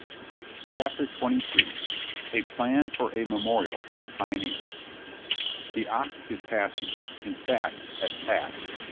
] CHAPTER TWENTY THREE A PLAN FOR A MEMORIAL TO THE PIONEERS THE ox is passing in fact, has passed.